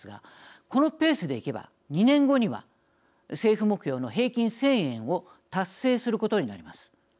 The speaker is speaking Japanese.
このペースでいけば２年後には政府目標の平均１０００円を達成することになります。